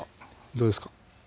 どうですか？